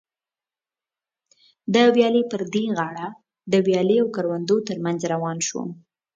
د ویالې پر دې غاړه د ویالې او کروندو تر منځ روان شوم.